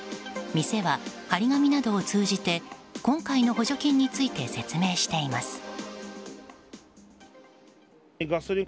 店は、貼り紙などを通じて今回の補助金について説明しています。